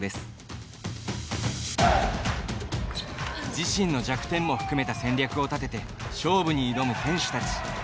自身の弱点も含めた戦略を立てて勝負に挑む選手たち。